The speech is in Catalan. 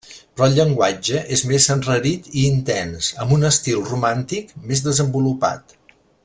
Però el llenguatge és més enrarit i intens amb un estil romàntic més desenvolupat.